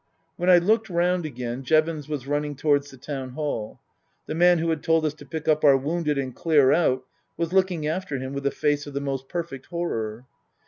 When I looked round again Jevons was running towards the Town Hall. The man who had told us to pick up our wounded and clear out was looking after him with a face of the most perfect horror.